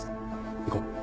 行こう。